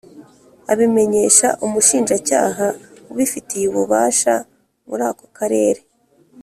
abimenyesha umushinjacyaha ubifitiye ububasha muri ako karere.